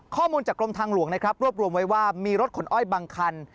ข้อมูลจากกรมทางหลวงนะครับรวบรวมไว้ว่ามีรถขนอ้อยบางคัน